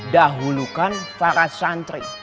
dahulukan para santri